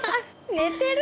寝てる？